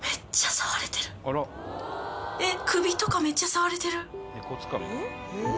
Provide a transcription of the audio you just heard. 首とかめっちゃ触れてる。